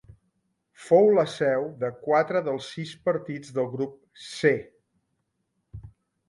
Fou la seu de quatre dels sis partits del grup C.